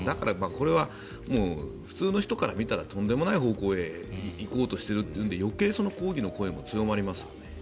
これは普通の人から見たらとんでもない方向へ行こうとしているというので余計に抗議の声も強まりますよね。